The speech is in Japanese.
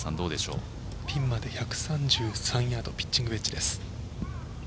ピンまで１３３ヤードピッチングウェッジです。